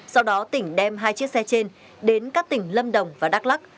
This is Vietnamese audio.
sau đó tỉnh đem hai chiếc xe trên đến các tỉnh lâm đồng và đắk lắc